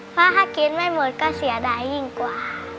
เพราะถ้ากินไม่หมดก็เสียดายยิ่งกว่า